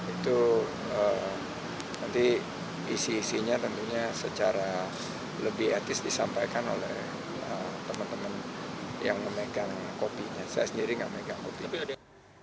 itu nanti isi isinya tentunya secara lebih etis disampaikan oleh teman teman yang memegang kopinya saya sendiri nggak memegang kopi